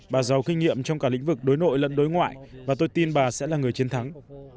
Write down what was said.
bà giàu kinh nghiệm trong cả lĩnh vực đối nội lẫn đối ngoại và tôi tin bà sẽ là người chiến thắng